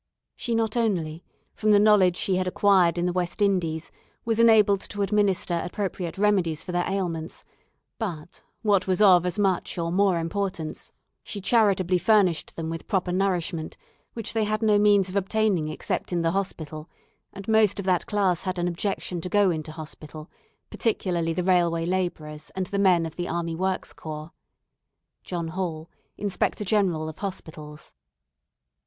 "She not only, from the knowledge she had acquired in the West Indies, was enabled to administer appropriate remedies for their ailments, but, what was of as much or more importance, she charitably furnished them with proper nourishment, which they had no means of obtaining except in the hospital, and most of that class had an objection to go into hospital, particularly the railway labourers and the men of the Army Works Corps. "John Hall, "Inspector General of Hospitals."